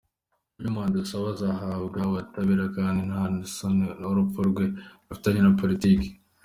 Raymond Dusabe azahabwa ubutabera kandi ko nta sano urupfu rwe rufitanye na Politiki.